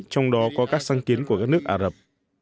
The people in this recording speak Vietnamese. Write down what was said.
trong đó có các sáng kiến của các nước ả rập